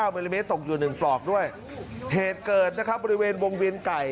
มิลลิเมตรตกอยู่หนึ่งปลอกด้วยเหตุเกิดบริเวณวงเวียนไก่